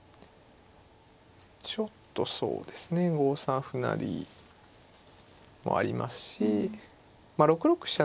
ちょっとそうですね５三歩成もありますし６六飛車